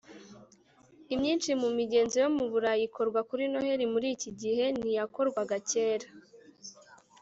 Imyinshi mu migenzo yo mu Burayi ikorwa kuri Noheli muri iki gihe n iyakorwaga kera